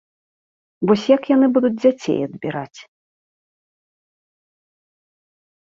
Вось як яны будуць дзяцей адбіраць?